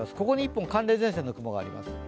ここに一本寒冷前線の雲があります。